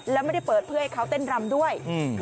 แล้วไม่ได้เปิดเพื่อให้เขาเต้นรำด้วย